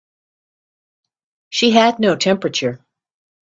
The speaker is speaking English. She had no temperature.